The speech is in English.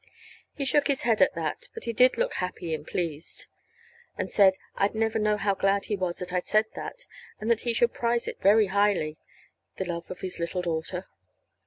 He shook his head at that; but he did look happy and pleased, and said I'd never know how glad he was that I'd said that, and that he should prize it very highly the love of his little daughter.